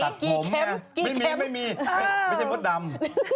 กิเก็มไม่มีไม่ใช่มดดำ